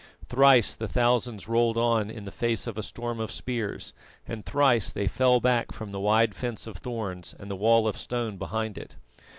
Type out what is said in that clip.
Thrice the thousands rolled on in the face of a storm of spears, and thrice they fell back from the wide fence of thorns and the wall of stone behind it.